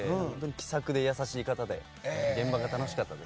気さくで優しい方で現場が楽しかったです。